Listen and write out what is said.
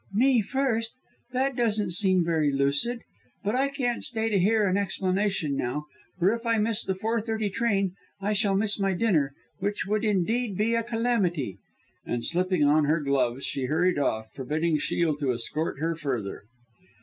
"Me first! That doesn't seem very lucid but I can't stay to hear an explanation now, for if I miss the four thirty train I shall miss my dinner, which would indeed be a calamity!" And slipping on her gloves, she hurried off, forbidding Shiel to escort her further.